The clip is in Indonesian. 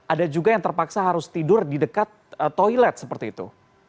ada juga yang terpaksa harus tidur di dekat toilet seperti itu